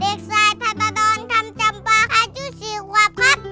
เด็กสายพัดปะดอนทำจำปลาฮาจุสีวับครับ